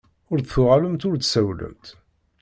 Ur d-tuɣalemt ur d-tsawlemt.